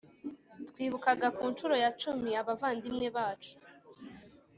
twibukaga kuncuro ya cumi abavandimwe bacu